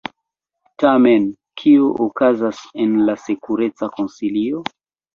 Tamen kio okazas en la Sekureca Konsilio?